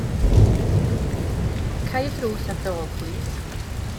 Cau y drws ar dy ôl plis.